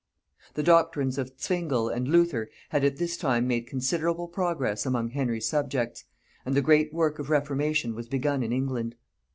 The doctrines of Zwingle and of Luther had at this time made considerable progress among Henry's subjects, and the great work of reformation was begun in England.